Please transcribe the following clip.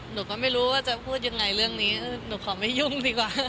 หนูก็ไม่รู้ว่าจะพูดยังไงเรื่องนี้หนูขอไม่ยุ่งดีกว่า